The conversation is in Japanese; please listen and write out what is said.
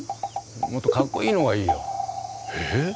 もっとかっこいいのがいいよ。えっ！？